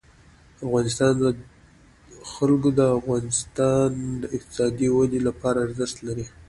د افغانستان جلکو د افغانستان د اقتصادي ودې لپاره ارزښت لري.